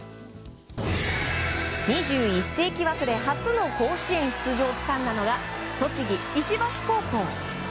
２１世紀枠で初の甲子園出場をつかんだのが栃木・石橋高校。